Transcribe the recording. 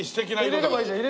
入れればいいじゃん。